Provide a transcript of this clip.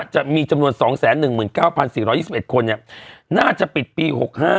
จำนวน๒๑๙๔๒๑คนน่าจะปิดปี๖๕